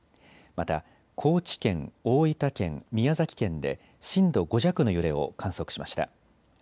また、高知県、大分県、宮崎県で震度５弱の揺れを観測しました。